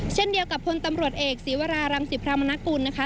เช่นเดียวกับพลตำรวจเอกศีวรารังศิพรามนกุลนะคะ